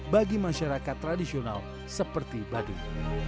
bagi masyarakat tradisional seperti baduy